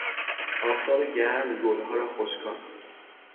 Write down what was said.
آفتاب گرم گلها را خشکاند.